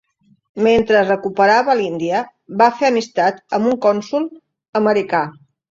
Mentre es recuperava a l'Índia, va fer amistat amb un cònsol americà.